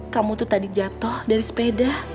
kamu tuh tadi jatuh dari sepeda